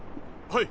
はい！